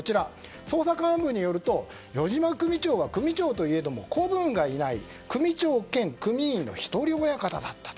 捜査幹部によると余嶋組長は組長といえども子分がいない組長兼組員のひとり親方だったと。